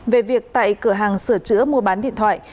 về việc tại cửa hàng sửa chữa mua bán điện thoại